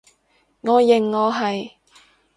我認我係